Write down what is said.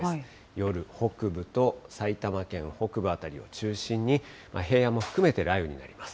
夜、北部と埼玉県北部辺りを中心に、平野も含めて雷雨になります。